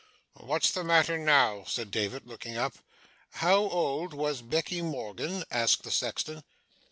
'What's the matter now?' said David, looking up. 'How old was Becky Morgan?' asked the sexton.